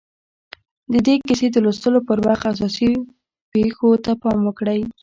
د دې کيسې د لوستلو پر وخت اساسي پېښو ته پام وکړئ.